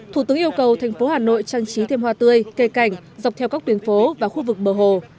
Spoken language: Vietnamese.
thủ tướng yêu cầu thành phố hà nội trang trí thêm hoa tươi cây cảnh dọc theo các tuyến phố và khu vực bờ hồ